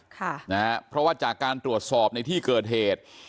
ค่ะนะฮะเพราะว่าจากการตรวจสอบในที่เกิดเหตุ